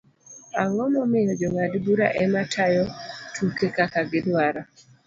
ang'o momiyo jong'ad - bura ema tayo tuke kaka gidwaro?